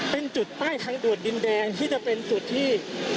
เป็นจุดใต้ทางด่วนดินแดงที่จะเป็นจุดที่